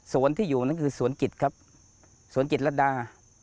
ที่อยู่นั่นคือสวนจิตครับสวนจิตรดา